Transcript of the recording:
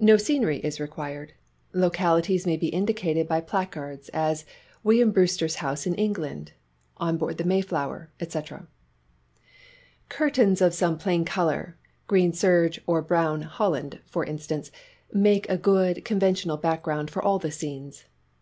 No scenery is required. Localities may be indicated by placards, as, "William Brewster's House in England," " On Board the Mayflower," &c. Curtains of some plain colour green serge or brown holland, for instance make a good, conventional back ground for all the scenes.